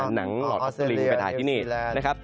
หนังหลอดกริงไปถ่ายที่นี่นะครับ